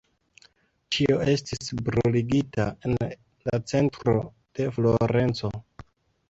Ĉio estis bruligita en la centro de Florenco.